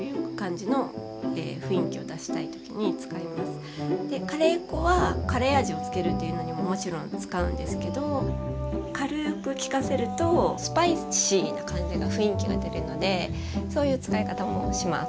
クミンとコリアンダーはカレー粉はカレー味をつけるというのにももちろん使うんですけど軽くきかせるとスパイシーな感じが雰囲気が出るのでそういう使い方もします。